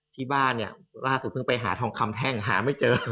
ที่บ้านเนี่ยล่าสุดเพิ่งไปหาทองคำแท่งหาไม่เจอ